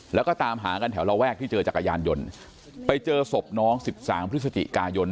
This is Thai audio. แล้วก็ตามหากันแถวระแวกที่เจอจักรยานยนต์ไปเจอศพน้องสิบสามพฤศจิกายน